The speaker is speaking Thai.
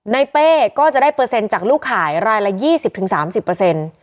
ในเป้ก็จะได้เปอร์เซ็นต์จากลูกขายรายละยี่สิบถึงสามสิบเปอร์เซ็นต์